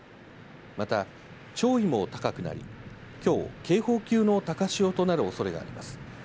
また、潮位も高くなりきょう警報級の高潮となるおそれがあります。